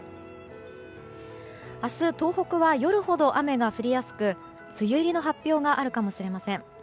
明日、東北は夜ほど雨が降りやすく梅雨入りの発表があるかもしれません。